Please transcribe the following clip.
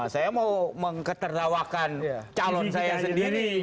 saya mau mengketertawakan calon saya sendiri